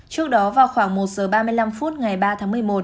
trước đó vào khoảng một giờ ba mươi năm phút ngày ba tháng một mươi một